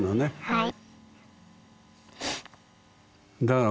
はい。